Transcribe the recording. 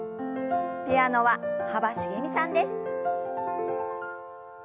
ピアノは幅しげみさんです。